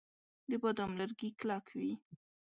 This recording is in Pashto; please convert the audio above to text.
د بادام لرګي کلک وي.